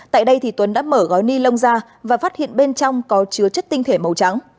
tại đây tuấn đã mở gói ni lông ra và phát hiện bên trong có chứa chất tinh thể màu trắng